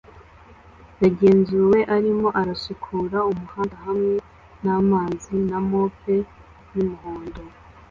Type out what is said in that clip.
yagenzuwe arimo arasukura umuhanda hamwe namazi na mope yumuhondo